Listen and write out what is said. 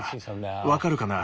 わかるかな？